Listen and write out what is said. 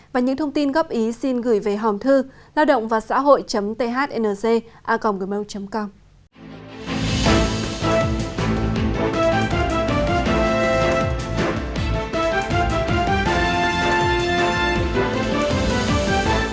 và những thông tin góp ý xin gửi về hòm thư laodongvasahoi thnc acomgmail com